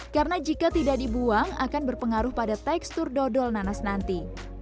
karena jika tidak dibuang akan berpengaruh pada tekstur dodol nanas nanti